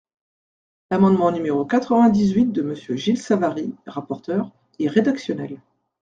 L’amendement numéro quatre-vingt-dix-huit de Monsieur Gilles Savary, rapporteur, est rédactionnel.